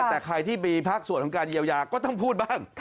แต่ใครที่มีภาคส่วนของการเยียวยาก็ต้องพูดบ้าง